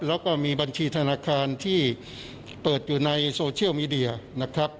แล้วก็มีบัญชีธนาคารที่เปิดอยู่ในโซเชียลมีเดียนะครับ